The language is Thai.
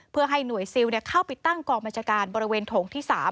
เพื่อให้หน่วยซิลเข้าไปตั้งกองบัญชาการบริเวณโถงที่๓